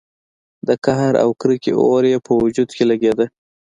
د قهر او کرکې اور يې په وجود کې لګېده.